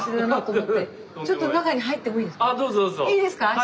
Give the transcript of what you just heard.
いいですか？